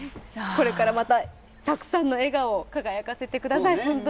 これからまたたくさんの笑顔を輝かせてください。